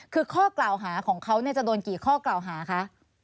คือข้อกล่าวหาของเขาจะโดนกี่ข้อกล่าวหาคะ